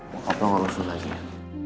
pokoknya lo lulusin lagi ya